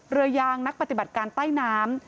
เรือยางนักปฏิบัติการใต้น้ำ